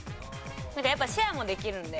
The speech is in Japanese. なんかやっぱシェアもできるんで。